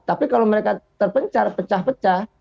tapi kalau mereka terpencar pecah pecah